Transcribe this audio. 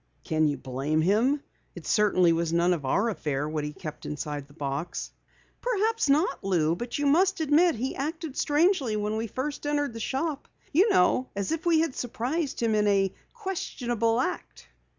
"Can you blame him? It certainly was none of our affair what he kept inside the box." "Perhaps not, Lou, but you must admit he acted strangely when we first entered the shop. You know as if we had surprised him in a questionable act."